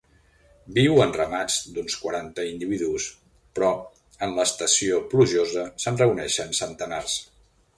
Viu en ramats d'uns quaranta individus, però en l'estació plujosa se'n reuneixen centenars.